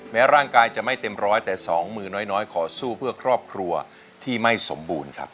ร่างกายจะไม่เต็มร้อยแต่สองมือน้อยขอสู้เพื่อครอบครัวที่ไม่สมบูรณ์ครับ